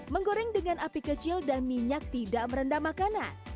menggoreng dengan api kecil dan minyak tidak merendah makanan